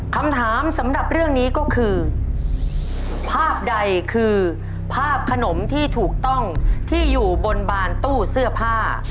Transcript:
คำถามสำหรับเรื่องนี้ก็คือภาพใดคือภาพขนมที่ถูกต้องที่อยู่บนบานตู้เสื้อผ้า